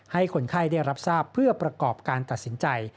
ให้คนไข้ได้รับทราบเพื่อประกอบการตัดสินใจ